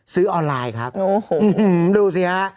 ซื้อออนไลน์ครับดูสิฮะ